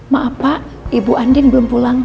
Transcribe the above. maaf pak ibu andin belum pulang